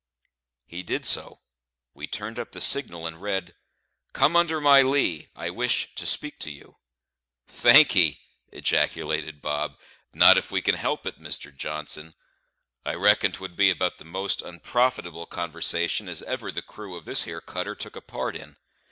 He did so; we turned up the signal, and read, "Come under my lee; I wish to speak you." "Thank 'ee!" ejaculated Bob, "not if we can help it, Mister Johnson. I reckon 'twould be about the most onprofitable conwersation as ever the crew of this here cutter took a part in.